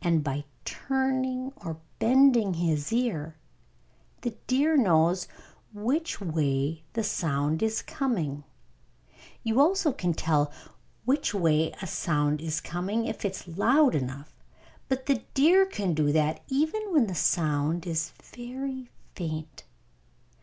And by turning or bending his ear, the deer knows which way the sound is coming. You also can tell which way a sound is coming, if it is loud enough; but the deer can do that even when the sound is very faint.